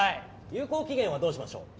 有効期限はどうしましょう？